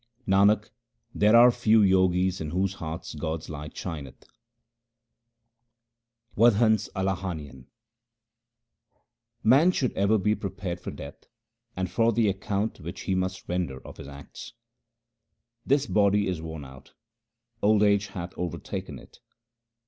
Nanak, there are few Jogis in whose hearts God's light shineth. Wadhans Alahanian Man should ever be prepared for death and for the account which he must render of his acts :— This body is worn out ; old age hath overtaken it.